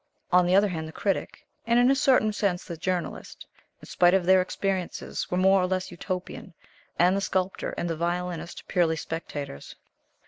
On the other hand the Critic, and in a certain sense the Journalist, in spite of their experiences, were more or less Utopian, and the Sculptor and the Violinist purely spectators.